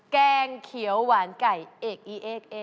แกงเขียวหวานไก่เอก